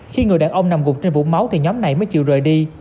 khi người đàn ông nằm gục trên vũng máu thì nhóm này mới chịu rời đi